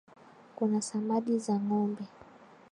Kuna samadi za ngombe